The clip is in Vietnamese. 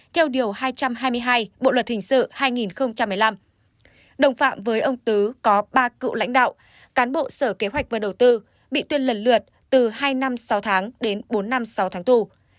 theo điều hai trăm hai mươi hai bộ luật hình sự hai nghìn một mươi năm đồng phạm với ông tứ có ba cựu lãnh đạo cán bộ sở kế hoạch và đầu tư bị tuyên lần lượt từ hai năm sáu tháng đến bốn năm sáu tháng tù